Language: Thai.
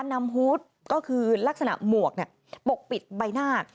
ฮูตก็คือลักษณะหมวกปกปิดใบหน้า